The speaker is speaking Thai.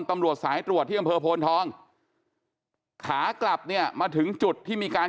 ตำรวจสายตรวจที่อำเภอโพนทองขากลับเนี่ยมาถึงจุดที่มีการ